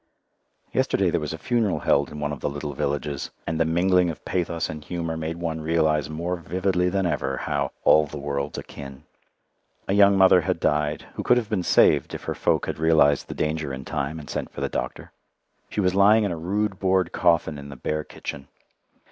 Yesterday there was a funeral held in one of the little villages, and the mingling of pathos and humour made one realize more vividly than ever how "all the world's akin." A young mother had died who could have been saved if her folk had realized the danger in time and sent for the doctor. She was lying in a rude board coffin in the bare kitchen.